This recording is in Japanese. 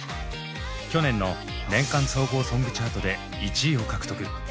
去年の年間総合ソングチャートで１位を獲得。